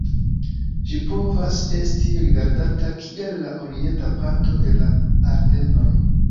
Ĝi povas esti rigardata kiel la orienta parto de la Ardenoj.